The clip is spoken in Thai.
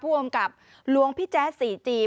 ผู้กำกับลวงพี่แจ๊สศรีจี